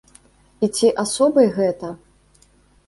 І ці асобай гэта?